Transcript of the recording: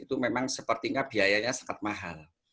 itu memang sepertinya biayanya sangat mahal